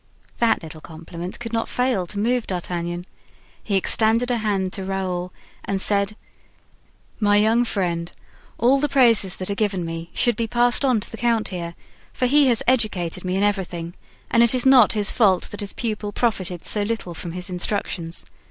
That little compliment could not fail to move D'Artagnan. He extended a hand to Raoul and said: "My young friend, all the praises that are given me should be passed on to the count here; for he has educated me in everything and it is not his fault that his pupil profited so little from his instructions.